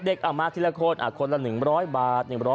เด็กอำมาตย์ทีละคนคนละ๑๐๐บาท